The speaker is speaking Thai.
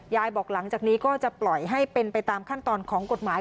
บอกหลังจากนี้ก็จะปล่อยให้เป็นไปตามขั้นตอนของกฎหมาย